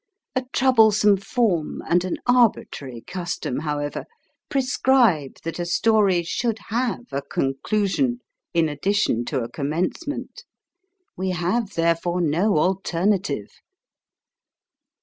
A troublesome form, and an arbitrary custom, however, prescribe that a story should have a conclusion, in addition to a commencement ; we have therefore no alternative.